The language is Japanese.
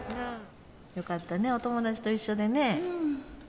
よかったね、お友達と一緒でね。